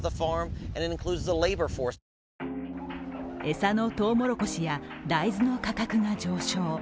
餌のとうもろこしや大豆の価格が上昇。